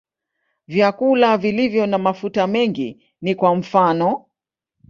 Vyakula vilivyo na mafuta mengi ni kwa mfano.